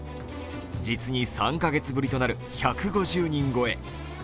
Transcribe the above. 実に、３カ月ぶりとなる１５０人超え。